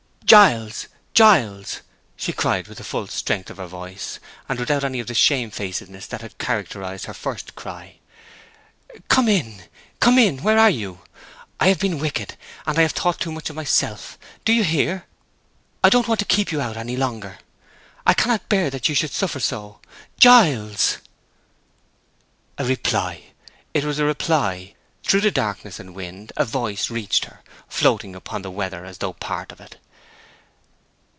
"Giles, Giles!" she cried, with the full strength of her voice, and without any of the shamefacedness that had characterized her first cry. "Oh, come in—come in! Where are you? I have been wicked. I have thought too much of myself! Do you hear? I don't want to keep you out any longer. I cannot bear that you should suffer so. Gi i iles!" A reply! It was a reply! Through the darkness and wind a voice reached her, floating upon the weather as though a part of it.